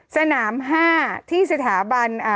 สนาม๕ที่สถาบัน